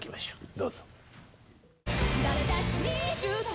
どうぞ。